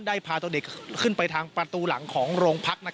พาตัวเด็กขึ้นไปทางประตูหลังของโรงพัก